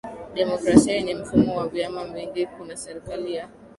demokrasia yenye mfumo wa vyama vingi Kuna serikali ya